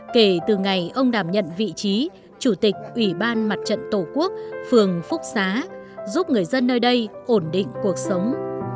kể từ ngày ông đảm nhận vị trí chủ tịch ủy ban mặt trận tổ quốc phường phúc xá giúp người dân nơi đây ổn định cuộc sống